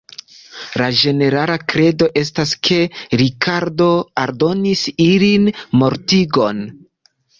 La ĝenerala kredo estas ke Rikardo ordonis ilian mortigon.